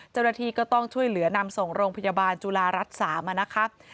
เจ้าหน้าที่ก็ต้องช่วยเหลือนำส่งโรงพยาบาลจุฬารัฐ๓นะครับ